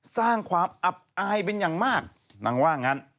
สร้างความอับอายเป็นอย่างมากนางว่างั้น